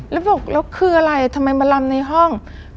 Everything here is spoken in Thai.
แล้วบอกแล้วคืออะไรทำไมมาลำในห้อง